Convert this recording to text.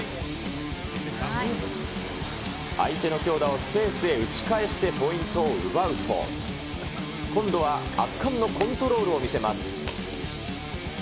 相手の強打をスペースへ打ち返してポイントを奪うと今度は圧巻のコントロールを見せます。